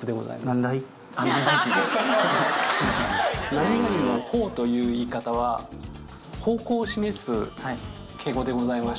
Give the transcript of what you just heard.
「何々の方」という言い方は方向を示す敬語でございまして。